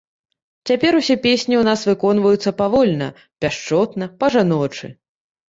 Цяпер усе песні ў нас выконваюцца павольна, пяшчотна, па-жаночы.